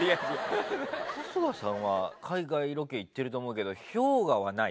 春日さんは海外ロケ行ってると思うけど氷河はない？